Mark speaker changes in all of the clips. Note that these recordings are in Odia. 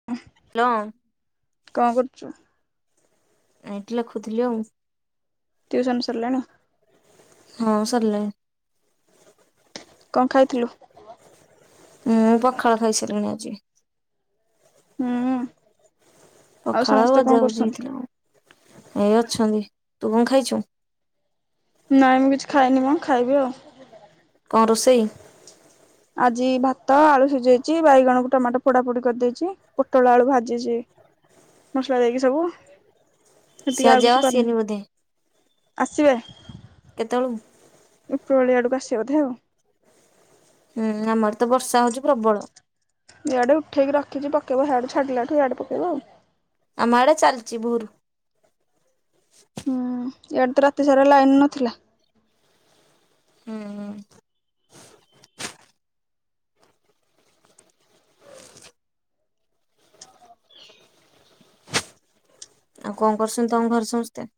Speaker 1: [inaudible]
Speaker 2: ହାଲୋ।
Speaker 1: କଣ କରୁଚୁ?
Speaker 2: ଏଠି ଲେଖୁଥିଲି ଆଉ।
Speaker 1: ଟିଉସନ୍ ସରିଲାଣି?
Speaker 2: ହଁ ସରିଲାଣି।
Speaker 1: କଣ ଖାଇଥିଲୁ?
Speaker 2: ମୁଁ ପଖାଳ ଖାଇସାରିଲିଣି ଆଜି।
Speaker 1: ହୁଁ।
Speaker 2: ପଖାଳ ଆଉ
Speaker 1: ସମସ୍ତେ କଣ
Speaker 2: ଭଜା ଭଜି
Speaker 1: କରୁଛନ୍ତି?
Speaker 2: ହେଇଥିଲା ଏଇ ଅଛନ୍ତି ତୁ କଣ ଖାଇଛୁ?
Speaker 1: ନାଇଁ ମୁଁ କିଛି ଖାଇନି ମ ଖାଇବି ଆଉ।
Speaker 2: କଣ ରୋଷେଇ?
Speaker 1: ଆଜି ଭାତ ଆଳୁ ସିଝେଇଛି ବାଇଗଣକୁ ଟମାଟୋ ପୋଡା ପୋଡି କରିଦେଇଚି। ପୋଟଳ ଆଳୁ ଭାଜିଚି ମସଲା ଦେଇକି ସବୁ।
Speaker 2: ସିଏ
Speaker 1: ସେତିକି
Speaker 2: ଆଜି
Speaker 1: ଆଉ କିଛି କରିନି
Speaker 2: ଆସିବେନି ବୋଧେ
Speaker 1: ଆସିବେ।
Speaker 2: କେତବେଳକୁ?
Speaker 1: ଉପର ବଳି ଆଡ଼କୁ ଆସିବ ବୋଧେ ଆଉ।
Speaker 2: ହୁଁ, ଆମର ତ ବର୍ଷା ହଉଛୁ ପ୍ରବଳ।
Speaker 1: ଇଆଡେ ଉଠେଇକି ରଖିଚି ପକେଇବ। ହିଆଡ଼ୁ ଛାଡିଲାଠୁ ଇଆଡେ ପକେଇବ।
Speaker 2: ଆମ ଆଡେ ଚାଲିଚି ଭୋରୁ।
Speaker 1: ହଁ ଇଆଡେ ତ ରାତି ସାରା ଲାଇନ ନଥିଲା।
Speaker 2: ହଁ, ହଁ। ଆଉ କଣ କରୁଛନ୍ତି ତୋମ ଘରେ ସମସ୍ତେ?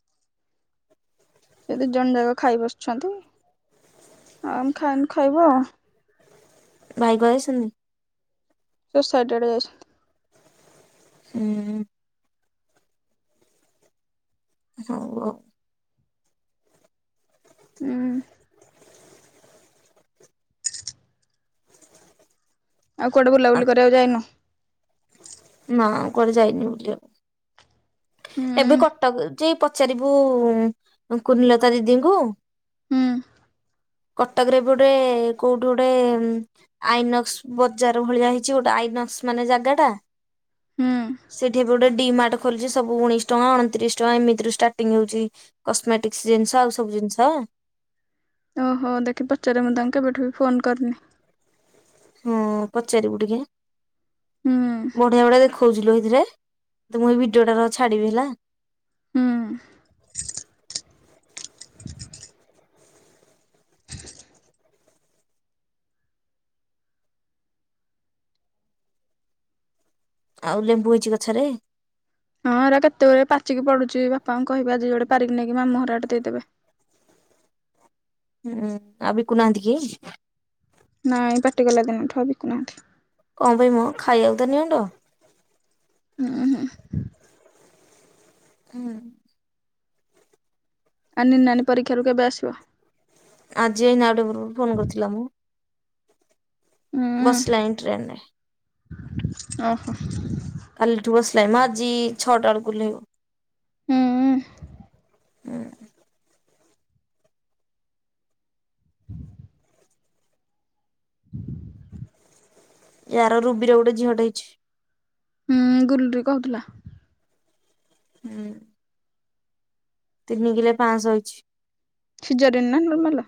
Speaker 1: ସେ ଦି ଜଣ ଯାକ ଖାଇ ବସଛନ୍ତି। ଆ, ଆମେ ଖାଇନୁ ଖାଇବୁ।
Speaker 2: ଭାଇ କୁଆଡେ ଯାଇସନ୍?
Speaker 1: ସେ ସାଇଟ୍ ଆଡ଼େ ଯାଇଛ।
Speaker 2: ହୁଁ। ହଉ ଆଉ।
Speaker 1: ଉଁ, ଆଉ କୁଆଡେ
Speaker 2: ଆଉ।
Speaker 1: ବୁଲାବୁଲି କରିବାକୁ ଯାଇନ?
Speaker 2: ନା କୁଆଡେ ଯାଇନି ବୁଲିଆକୁ।
Speaker 1: ହୁଁ
Speaker 2: ଏବେ କଟକ ଯାଇ ପଚାରିବୁ କୁନିଲତା ଦିଦିଙ୍କୁ।
Speaker 1: ହୁଁ।
Speaker 2: କଟକରେ ଏବେ ଗୋଟେ କୋଉଠି ଗୋଟେ ଉଁ, ଆଇନକ୍ସ ବଜାର ଭଳିଆ ହେଇଛି ଗୋଟେ ଆଇନକ୍ସ ମାନେ ଜାଗା ଟା।
Speaker 1: ହୁଁ
Speaker 2: ସେଠି ବି ଗୋଟେ ଡି ମାର୍ଟ ଖୋଲିଛି ସବୁୁ ଉଣେଶି ଟଙ୍କା ଅଣତିରିଶ ଟଙ୍କା ଏମିତି ରେ ଷ୍ଟାର୍ଟିଂ ହଉଛି କସ୍ମେଟିକସ୍ ଜିନିଷ ଆଉ ସବୁ ଜିନିଷ।
Speaker 1: ଓହୋ ଦେଖି ପଚାରେ ମୁଁ ତାଙ୍କୁ କେବେଠୁ ବି ଫୋନ୍ କରିନି।
Speaker 2: ହଁ ପଚାରିବୁ ଟିକେ,
Speaker 1: ହୁଁ
Speaker 2: ବଢିଆ ବଢିଆ ଦେ ଖଉଥିଲୁ ଏଇଥିରେ ତ ମୁଁ ଏଇ ଭିଡିଓ ଟା ର ଛାଡିବି ହେଲା।
Speaker 1: ହୁଁ। [inaudible]
Speaker 2: ଆଉ ଲେମ୍ବୁ ହେଇଛି ଗଛରେ?
Speaker 1: ହଁ ଏରା କେତେଗୁରେ ପାଚିକି ପଡୁଚି। ବାପାଙ୍କୁ କହିବି ଆଜି ଯୋଡ଼େ ପାରିକି ନେଇକି ମାମୁଁଘର ଆଡ଼େ ଦେଇଦେବେ।
Speaker 2: ହୁଁ, ଆଉ ବିକୁନାହାନ୍ତି କି?
Speaker 1: ନାଇଁ ପାଟି କଲା ଦିନଠୁ ଆଉ ବିକୁନାହାନ୍ତି।
Speaker 2: କଣ ଭାଇ ମୋ ଖା ଆକୁ ତ ନିଅଣ୍ଟ।
Speaker 1: ଉଁ, ହୁଁ।
Speaker 2: ଅଁ, ହଁ।
Speaker 1: ଆ, ନିନି ନାନୀ ପରୀକ୍ଷାରୁ କେବେ ଆସିବ?
Speaker 2: ଆଜି ଏଇନା ଆଉ ଟିକେ ପୂର୍ବରୁ ଫୋନ୍ କରିଥିଲା ମୁଁ।
Speaker 1: ହୁଁ
Speaker 2: ବସିଲାଣି ଟ୍ରେନ୍ ରେ।
Speaker 1: ଓହୋ।
Speaker 2: କାଲିଠୁ ବସିଲାଣି ମୋ ଆଜି ଛଅଟା ବେଳକୁ ଉହ୍ଲେଇବ।
Speaker 1: ହୁଁ
Speaker 2: ୟାର ରୁବିର ଗୋଟେ ଝିଅଟେ ହେଇଛି।
Speaker 1: ହୁଁ, ଗୁଲୁରୀ କହୁଥିଲା।
Speaker 2: ହୁଁ। ତିନିକିଲେ ପାଁଶହ ହେଇଛି।
Speaker 1: ସିଜରିୟାନ୍ ନା ନର୍ମାଲ୍?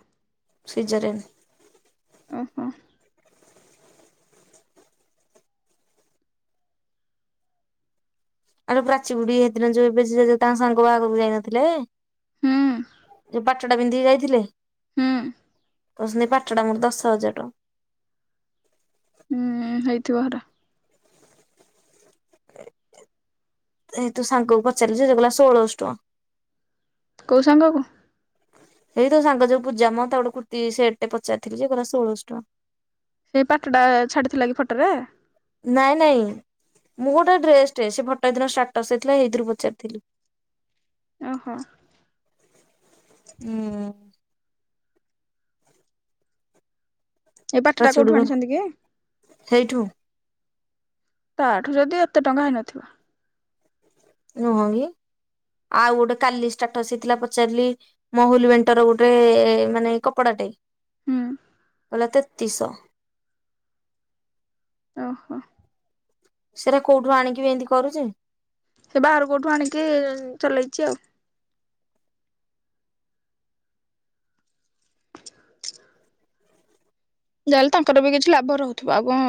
Speaker 2: ସିଜରିଆନ୍।
Speaker 1: ଓ ହଁ।
Speaker 2: ଆରେ ପ୍ରାଚୀ ବୁଢୀ ହେଦିନ ଯୋଉ ଏବେ ସିଏ ଯୋଉ ତାଙ୍କ ସାଙ୍ଗ ବାହାଘରକୁ ଯାଇନଥିଲେ।
Speaker 1: ହୁଁ
Speaker 2: ଯୋଉ ପାଟ ଟା ପିନ୍ଧିକି ଯାଇଥିଲେ।
Speaker 1: ହୁଁ।
Speaker 2: ତ ସେନି ପାଟ ଟା ମୋର ଦଶ ହଜାର ଟଙ୍କା।
Speaker 1: ହୁଁ, ହେଇଥିବ ହେଟା।
Speaker 2: ସେ ତୁ ସାଙ୍ଗକୁ ପଚାରିଲୁ ସେ କହିଲା ଷୋଳଶ ଟଙ୍କା।
Speaker 1: କୋଉ ସାଙ୍ଗ କୁ।
Speaker 2: ସେ ତୋ ସାଙ୍ଗ ଯୋଉ ପୂଜା ମ ତାକୁ ଗୋଟେ କୁର୍ତି ସେଟ ପଚାରଥିଲି ଯେ କହିଲା ସୋଳଶ ଟଙ୍କା।
Speaker 1: ସେଇ ପାଟ ଟା ଛାଡିଥିଲା କି ଫଟରେ।
Speaker 2: ନାଇଁ ନାଇଁ ମୁଁ ଗୁଟେ ଡ୍ରେସଟେ ସେ ଫଟଟା ହେଦିନ ଷ୍ଟାର୍ଟସରେ ଥିଲା ହେଇଥିରୁ ପଚାରିଥିଲି,।
Speaker 1: ଅ ହୋ।
Speaker 2: ଉଁ।
Speaker 1: ଏଇ ପାଟଟା କୋଉଠୁ
Speaker 2: ପ୍ରାଚୁଡୁବୁ
Speaker 1: ଆଣିଛନ୍ତି କି?
Speaker 2: ହେଇଠୁ
Speaker 1: ତାଠୁ ଯଦି ଏତେ ଟଙ୍କା ହେଇନଥିବ।
Speaker 2: ନୁହଁ କି ଆଉ ଗୁଟେ କାଲି ଷ୍ଟାର୍ଟସ ରେ ଥିଲା ପଚାରିଲି। ମହୁଲି ବେଣ୍ଟର ଗୁଟେ ମାନେ କପଡାଟେ
Speaker 1: ହୁଁ
Speaker 2: କହିଲା ତେତିଶ।
Speaker 1: ଓହୋ।
Speaker 2: ସେଇରା କୋଉଠୁ ଆଣିକି ବି ଏମିତି କରୁଚି।
Speaker 1: ସେ ବାହାରୁ କଉଠୁ ଆଣିକି ଚଲେଇଚି ଆଉ। ଯାହାହେଲେ ଟଙ୍କାଟେ ବି କିଛି ଲାଭ ରହୁଥିବ ଆଉ କଣ।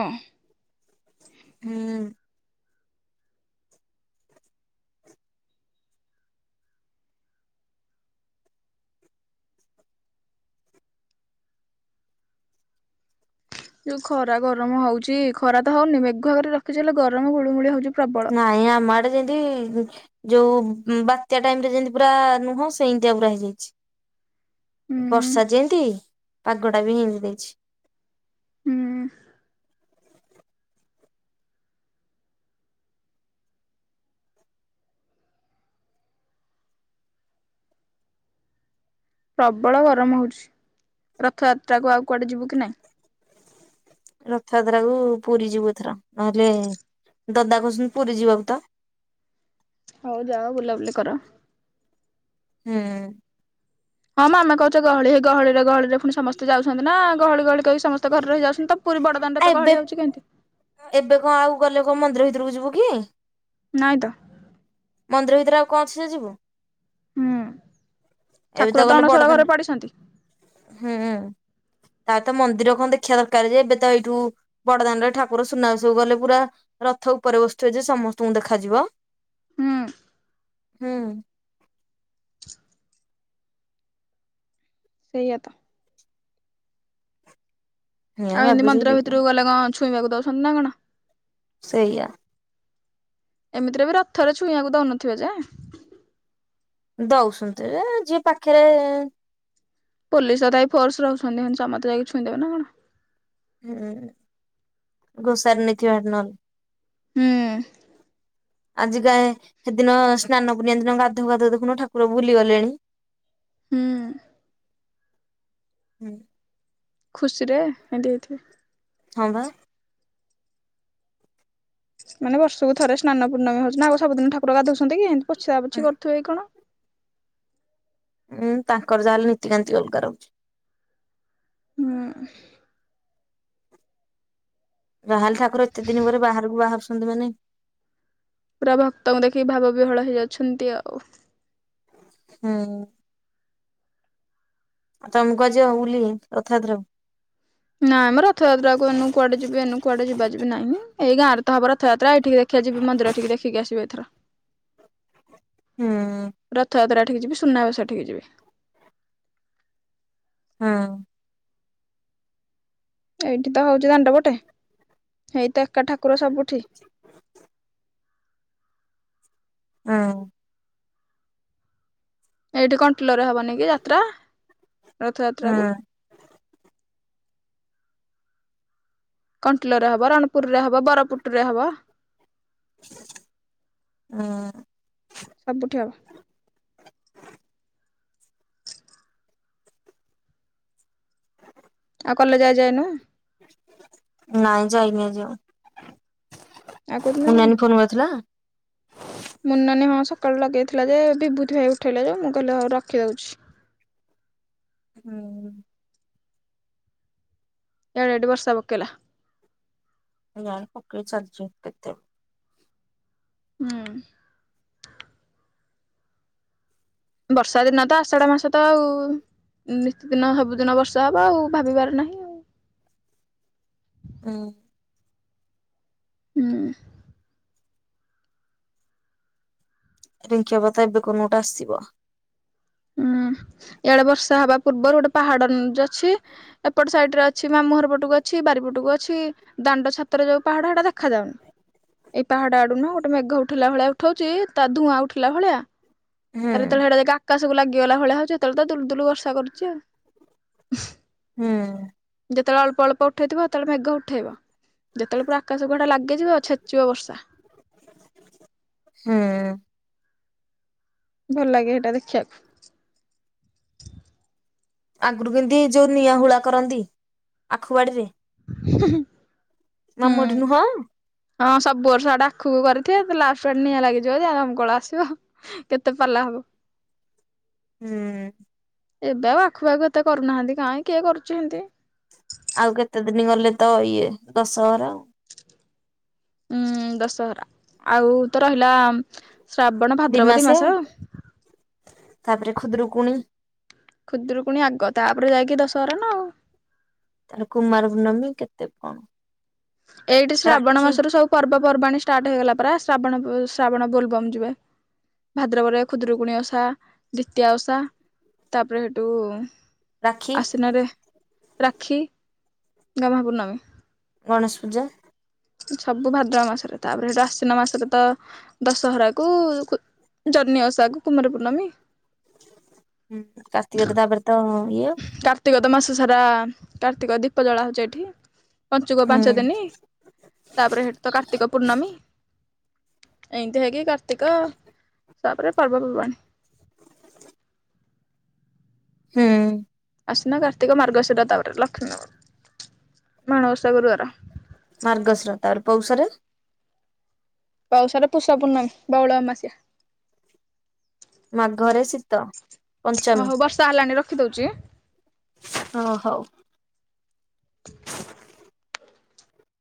Speaker 2: ହୁଁ।
Speaker 1: ଯଉ ଖରା ଗରମ ହଉଚି ଖରା ତ ହଉନି ମେଘୁଆକରି ରଖିଚି ହେଲେ ଗରମ ହୁଳୁଗୁଳି ହଉଚି ପ୍ରବଳ।
Speaker 2: ନାଇଁ ଆମ ଆଡେ ଯେନ୍ତି ଯୋଉ ବାତ୍ୟା ଟାଇମ ରେ ଯେମତି ପୁରା ନୁହଁ ସେଇଁତିଆ ପୁରା ହେଇଯାଇଛି।
Speaker 1: ହୁଁ
Speaker 2: ବର୍ଷା ଯେନ୍ତି ପାଗ ଟା ବି ହିଁତି ଦେଇଚି।
Speaker 1: ହୁଁ ଉଁ। ପ୍ରବଳ ଗରମ ହଉଚି ରଥଯାତ୍ରା କୁ ଆଉ କୁଆଡେ ଯିବୁ କି ନାଇଁ?
Speaker 2: ରଥଯାତ୍ରାକୁ ପୁରୀ ଯିବୁ ଏଥର ନହେଲେ ଦଦା କହୁଛନ୍ତି ପୁରୀ ଯିବାକୁ ତ।
Speaker 1: ହଉ ଯାଅ ବୁଲାବୁଲି କର।
Speaker 2: ହୁଁ ଉଁ।
Speaker 1: ହଁ ଆମେ କହୁଚେ ଗହଳି ହେଇ ଗହଳିରେ ଗହଳିରେ ପୁଣି ସମସ୍ତେ ଯାଉଛନ୍ତି ନା ଗହଳି ଗହଳି କହି ସମସ୍ତ ଘରେ ରହି ଯାଉସନ୍ତି ତ ପୁରୀ ବଡଦାଣ୍ଡ
Speaker 2: ଆ
Speaker 1: ଏତେ
Speaker 2: ଏବେ
Speaker 1: ଗହଳି ହେଉଚି କେନ୍ତି।
Speaker 2: ଏବେ କଣ ଆଉ ଗଲେ କଉ ମନ୍ଦିର ଭିତରକୁ ଯିବୁ କି?
Speaker 1: ନାଈଁ ତ।
Speaker 2: ମନ୍ଦିର ଭିତରେ ଆଉ କଣ ଅଛି ଯେ ଯିବୁ।
Speaker 1: ହୁଁ
Speaker 2: ଏବେ
Speaker 1: ଠାକୁର
Speaker 2: ତ ଗଲେ
Speaker 1: ଅଣସର
Speaker 2: ବଡ
Speaker 1: ଘରେ ପଡିଛନ୍ତି
Speaker 2: ଦାଣ୍ଡ ହୁଁ। ତାରେ ତ ମନ୍ଦିର କଣ ଦେଖିବା ଦରକାର ଯେ ଏବେ ତ ଏଇଠୁ ବଡଦାଣ୍ଡରେ ଠାକୁର ସୁନାବେସକୁ ଗଲେ ପୁରା ରଥ ଉପରେ ବସିଥିବେ ଯେ ସମସ୍ତଙ୍କୁ ଦେଖାଯିବ।
Speaker 1: ହୁଁ ଉଁ।
Speaker 2: ହୁଁ।
Speaker 1: ସେଇଆ ତ।
Speaker 2: ଏଇଆ
Speaker 1: ଆଉ ଇଁତି
Speaker 2: ଭାବିଛୁ
Speaker 1: ମନ୍ଦିର
Speaker 2: ଯିବୁ।
Speaker 1: ଭିତରକୁ ଗଲେ କଣ ଛୁଇଁବାକୁ ଦଉସନ୍ତି ନା କଣ!
Speaker 2: ସେଇଆ।
Speaker 1: ଏମିତିରେ ବି ରଥରେ ଛୁଇଁବାକୁ ଦଉନଥିବେ ଯେ
Speaker 2: ଦଉସୁନ୍ତି ଯେ ଯିଏ ପାଖରେ
Speaker 1: ପୋଲିସ ତଥାପି ଫୋର୍ସ ରହୁଛନ୍ତିୁ। ହିନ୍ତି ସମସ୍ତେ ଯାଇକି ଛଇଁଦେବେ ନା କଣ।
Speaker 2: ହୁଁ ଘୋଷାରି ନେଇଥିବାର ନହଲେ
Speaker 1: ହୁଁ ଉଁ।
Speaker 2: ଆଜିକା ସେଦିନ ସ୍ନାନ ପୂର୍ଣ୍ଣିମା ଦିନ ଗାଧଉ ଗାଧଉ ଦେଖୁନ ଠାକୁର ବୁଲି ଗଲେଣି।
Speaker 1: ହୁଁ।
Speaker 2: ହୁଁ।
Speaker 1: ଖୁସିରେ ଏନ୍ତି ହେଇଥିବେ।
Speaker 2: ହଁ ବା
Speaker 1: ମାନେ ବର୍ଷକୁ ଥରେ ସ୍ନାନ ପୂଣ୍ଣମୀ ହଉଚି ନା ଆଉ ସବୁଦିନ ଠାକୁର ଗାଧଉସନ୍ତି କି ଏମିତି ପୁଛା ପୁଛି କରୁଥିବେ କି କଣ।
Speaker 2: ଉଁ ତାଙ୍କର ଯାହେଲେ ନୀତିକାନ୍ତି ଅଲଗା ରହୁଚି।
Speaker 1: ହୁଁ।
Speaker 2: ଯାହେଲେ ଠାକୁର ଏତେ ଦିନ ପରେ ବାହାରକୁ ବାହାରୁଛନ୍ତି ମାନେ
Speaker 1: ପୁରା ଭକ୍ତଙ୍କୁ ଦେଖିକି ଭାବ ବିହ୍ୱଳ ହେଇଯାଉଛନ୍ତି ଆଉ।
Speaker 2: ହୁଁ। ଆଉ ତମେ କୁଆଡେ ଯିବ ବୁଲି ରଥାଯାତ୍ରାକୁ?
Speaker 1: ନାଁମ ରଥଯାତ୍ରାକୁ ଏନୁ କୁଆଡେ ଯିବି ଏନୁ କୁଆଡେ ଯିବାଯିବି ନାଇଁ ଏଇ ଗାଁରେ ତ ହବ ରଥଯାତ୍ରା ଏଠିକି ଦେଖିଆ ଯିବି ମନ୍ଦିର ଠିକି ଦେଖିକି ଆସିବି ଏଥର।
Speaker 2: ହୁଁ
Speaker 1: ରଥଯାତ୍ରା ଠିକି ଯିବି, ସୁନାବେସ ଠିକି ଯିବି।
Speaker 2: ହଁ।
Speaker 1: ଏଇଠି ତ ହଉଚି ଦାଣ୍ଡ ପଟେ ହେଇତ ଏକା ଠାକୁର ସବୁଠି।
Speaker 2: ହଁ।
Speaker 1: ଏଇଠି କଣ୍ଟିଲୋରେ ହବନି କି ଯାତ୍ରା
Speaker 2: ହୁଁ।
Speaker 1: ରଥଯାତ୍ରାକୁ। କଣ୍ଟିଲରେ ହବ, ରଣପୁରରେ ହବ, ବରପୁଟରେ ହବ।
Speaker 2: ଅଁ।
Speaker 1: ସବୁଠି ହବ। ଆଉ କଲେଜ ଆଜ୍ ଯାଇନୁ?
Speaker 2: ନାଇଁ ଯାଇନି ଆଜି ଆଉ।
Speaker 1: ଆଉ କୋଉଦିନ ଯିବୁ?
Speaker 2: ନାନୀ ଫୋନ କରିଥିଲା?
Speaker 1: ମୁନନାନୀ ହଁ ସକାଳୁ ଲଗେଇଥିଲା ଯେ ବିଭୁତି ଭାଇ ଉଠେଇଲା ଯୋଉ ମୁଁ କହିଲେ ହୋଉ ରଖିଦୋଉଚି।
Speaker 2: ହୁଁ।
Speaker 1: ୟାଡ଼େ ଏଡ଼େ ବର୍ଷ ପକେଇଲା।
Speaker 2: ଏ ଗାଁରେ ପକେଇ ଚାଲଚି କେତେଳୁ।
Speaker 1: ହୁଁ। ବର୍ଷାଦିନ ତ ଆଷାଢ ମାସ ତ ଆଉ ନିତିଦିନ ସବୁଦିନ ବର୍ଷା ହବ ଆଉ ଭାବିବାର ନାହିଁ। ଆଉ
Speaker 2: ଉଁ।
Speaker 1: ହୁଁ।
Speaker 2: ରିଙ୍କି ଅବତା ଏବେ କନ ଗୋଟେ ଆସିବ।
Speaker 1: ହୁଁ ଇଆଡେ ବର୍ଷ ହବା ପୂର୍ବରୁ ଗୋଟେ ପାହାଡ ଉନ୍ ଯ ଅଛି ଏପଟ ସାଇଡରେ ଅଛି ମାମୁଁଘର ପଟକୁ ଅଛି ବାରିପଟକୁ ଅଛି। ଦାଣ୍ଡ ଛାତରେ ଯୋଉ ପାହାଡ ହେଟା ଦେଖାଯାଉନି। ଏଇ ପାହାଡ ଆଡୁ ନୁହଁ ଗୋଟେ ମେଘ ଉଠେଇଲା ଭଳିଆ ଉଠୋଉଚି ତା ଧୂଆଁ ଉଠିଲା ଭଳିଆ।
Speaker 2: ହୁଁ
Speaker 1: ତାପରେ ଯେତେଳେ ହେଟା ଯାଇକି ଆକାଶକୁ ଲାଗିଗଲା ଭଳିଆ ହୋଉଚି ସେତେଳେ ତ ଦୁଲୁଦୁଲୁ ବର୍ଷା କରୁଚି ଆଉ।
Speaker 2: ହୁଁ।
Speaker 1: ଯେତଳେ ଅଳ୍ପଅଳ୍ପ ଉଠେଇଥିବ ସେତଳେ ମେଘ ଉଠେଇବ ଯେତଳେ ପୁର ଆକାଶକୁୁ ହେଟା ଲାଗିଯିବ ଛେଚିବ ବର୍ଷା।
Speaker 2: ହୁଁ।
Speaker 1: ଭଲଲାଗେ ହେଟା ଦେଖିବାକୁ।
Speaker 2: ଆଗୁରୁ କେମତି ଯୋଉ ନିଆଁ ହୁଳା କରନ୍ତି ଆଖୁ ବାଡିରେ।
Speaker 1: ହୁଁ ହୁଁ।
Speaker 2: ମାମୁହଟି ନୁହଁ?
Speaker 1: ହଁ ସବୁ ବର୍ଷ ଏଟା ଆଖୁକୁ କରିଥିବେ ଲାଷ୍ଟରେ ନିଆଁ ଲାଗିଯିବ ଯେ ଦମକଳ ଆସିବ। କେତେ ପାଲାହବ।
Speaker 2: ହୁଁ।
Speaker 1: ଏବେ ଆଉ ଆଖୁପାଖୁ ଏତେ କରୁନାହାନ୍ତି କାଇଁ କିଏ କରୁଚି ହେମତି।
Speaker 2: ଆଉ କେତେ ଦିନି ଗଲେ ତ ଇଏ ଦଶହରା।
Speaker 1: ଉଁ ଦଶହରା ଆଉ ତ ରହିଲା ଶ୍ରାବଣ, ଭାଦ୍ରବ ଦି ମାସେ ଆଉ।
Speaker 2: ତାପରେ ଖୁଦୁରୁକୁୁଣି
Speaker 1: ଖୁଦୁରୁକୁଣୀ ଆଗ ତାପରେ ଯାଇକି ଦଶହରା ନା ଆଉ।
Speaker 2: ତାର କୁମାର ପୁର୍ଣ୍ଣମୀ କେତେ କଣ?
Speaker 1: ଏଇଠି ଶ୍ରାବଣ
Speaker 2: ରାକ୍ଷୀ
Speaker 1: ମାସରୁ ସବୁ ପର୍ବପର୍ବାଣୀ ଷ୍ଟାର୍ଟ ହେଇଗଲା ପା ଶ୍ରାବଣ ଶ୍ରାବଣ ବୋଲବମ୍ ଯିବେ। ଭାଦ୍ରବରେ ଖୁଦରୁକୁଣୀ ଓଷା, ଦ୍ୱିତୀୟା ଓଷା ତାପରେ ହେ
Speaker 2: ରାକ୍ଷୀ
Speaker 1: ଆଶ୍ଵିନରେ ରାକ୍ଷୀ, ଗହ୍ମା ପୂର୍ଣ୍ଣମୀ।
Speaker 2: ଗଣେଶ ପୂଜା।
Speaker 1: ସବୁ ଭାଦ୍ରବ ମାସରେ ତାପରେ ହେଠୁ ଆଶ୍ଵିନ ମାସରେ ତ ଦଶହରା କୁ ଖୁ ଜହ୍ନି ଓଷାକୁ କୁମାର ପୂଣ୍ଣମୀ।
Speaker 2: ହୁଁ କାର୍ତ୍ତିକରେ ତାପରେ ତ ଇଏ
Speaker 1: କାର୍ତ୍ତିକ ତ ମାସ ସାରା କାର୍ତ୍ତିକ ଦୀପ ଜଳା ହୋଉଚୀ ଏଠି ପଞ୍ଚୁକ
Speaker 2: ହୁଁ
Speaker 1: ପାଞ୍ଚ ଦିନି। ତାପରେ ହେଠୁ ତ କାର୍ତ୍ତିକ ପୂର୍ଣ୍ଣମୀ। ଏମିତି ହେଇକି କାର୍ତ୍ତିକ ତାପରେ ପର୍ବପର୍ବାଣି।
Speaker 2: ହୁଁ।
Speaker 1: ଆଶ୍ଵିନ, କାର୍ତ୍ତିକ, ମାର୍ଗଶିର ତାପରେ ଲକ୍ଷ୍ମୀର ମାଣବସା ଗୁରୁବାର।
Speaker 2: ମାର୍ଗଶିର ତାପରେ ପୌଷରେ
Speaker 1: ପୌଶରେ ପୁଷ ପୁର୍ଣ୍ଣମୀ ବଉଳ ଅମାବାସ୍ୟା।
Speaker 2: ମାଘରେ ଶୀତ
Speaker 1: ହଁ
Speaker 2: ପଞ୍ଚମୀ
Speaker 1: ହୋଉ ବର୍ଷା ହେଲାଣି ରଖିଦୋଉଚି।
Speaker 2: ହଁ ହୋଉ।